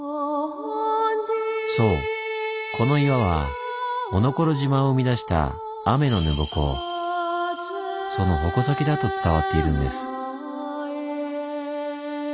そうこの岩はおのころ島を生み出した天の沼矛その矛先だと伝わっているんです。